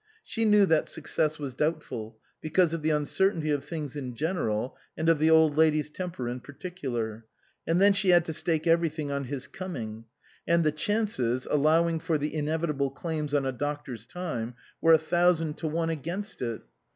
She knew that success was doubtful, because of the uncertainty of things in general and of the Old Lady's temper in particular. And then she had to stake everything on his coming ; and the chances, allowing for the inevitable claims 011 a doctor's time, were a thousand to one against it.